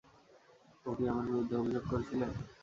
ও কি আমার বিরুদ্ধে অভিযোগ করছিল?